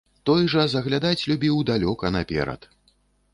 Той жа заглядаць любіў далёка наперад.